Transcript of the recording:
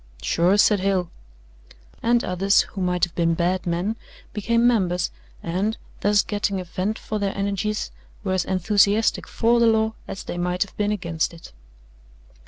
"Sure," said Hale. And others, who might have been bad men, became members and, thus getting a vent for their energies, were as enthusiastic for the law as they might have been against it.